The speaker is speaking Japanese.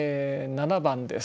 ５番です。